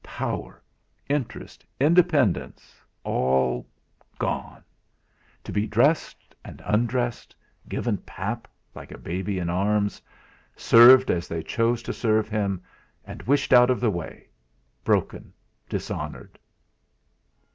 Power, interest, independence, all gone! To be dressed and undressed, given pap, like a baby in arms, served as they chose to serve him, and wished out of the way broken, dishonoured!